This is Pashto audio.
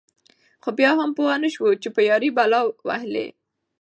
خو بيا هم پوهه نشوه په يــارۍ بلا وهــلې.